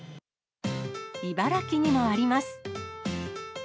茨城にもあります。